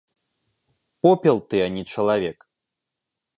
Попел ты, а не чалавек.